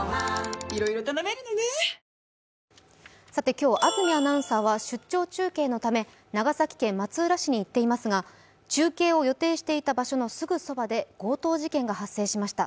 今日、安住アナウンサーは出張中継のため長崎県松浦市に行っていますが中継を予定していた場所のすぐそばで強盗事件が発生しました。